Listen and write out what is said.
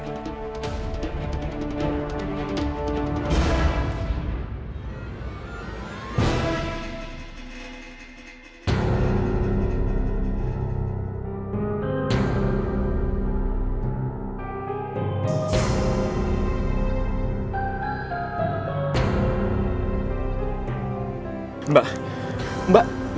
kalian punya sakit